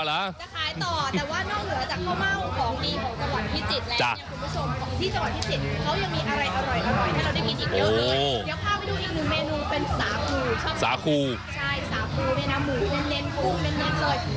จะขายต่อเหรอจะขายต่อแต่ว่านอกเหลือจากข้าวเม่าของดีของจังหวัดพิจิตย์แล้ว